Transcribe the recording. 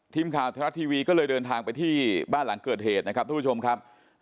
ทีมข่าวไทยรัฐทีวีก็เลยเดินทางไปที่บ้านหลังเกิดเหตุนะครับทุกผู้ชมครับ